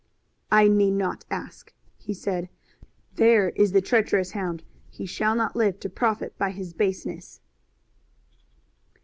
"I need not ask," he said. "There is the treacherous hound. He shall not live to profit by his baseness."